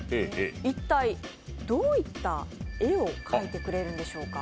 一体どういった絵を描いてくれるんでしょうか？